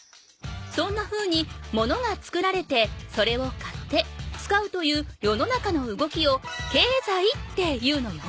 そんなふうにものがつくられてそれを買って使うという世の中の動きをけいざいっていうのよ。